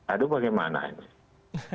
aduh bagaimana ini